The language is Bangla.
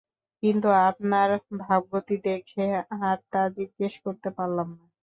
কিন্তু আপনার ভাবগতি দেখে আর তা জিজ্ঞেস করতে পারলাম না।